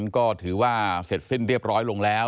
ก็ถือว่าเสร็จสิ้นเรียบร้อยลงแล้ว